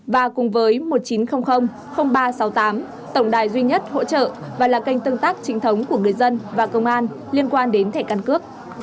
và cùng với một nghìn chín trăm linh ba trăm sáu mươi tám tổng đài duy nhất hỗ trợ và là kênh tương tác chính thống của người dân và công an liên quan đến thẻ căn cước